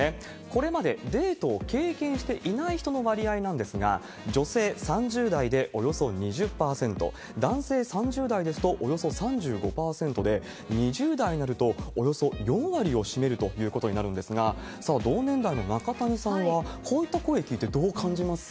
これまでデートを経験していない人の割合なんですが、女性３０代でおよそ２０％、男性３０代ですと、およそ３５％で、２０代になると、およそ４割を占めるということになるんですが、さあ、同年代の中谷さんは、こういった声聞いて、どう感じます？